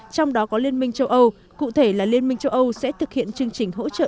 trong đó có liên minh châu âu cụ thể là liên minh châu âu sẽ thực hiện chương trình hỗ trợ